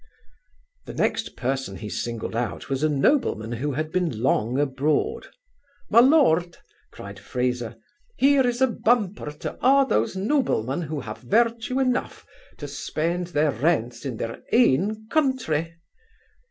The next person he singled out, was a nobleman who had been long abroad. 'Ma lord (cried Fraser), here is a bumper to a' those noblemen who have virtue enough to spend their rents in their ain countray.